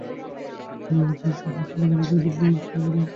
তিনি ইউরোপ ও এশিয়া উভয়ের সাথে বাণিজ্য বৃদ্ধি করেছিলেন।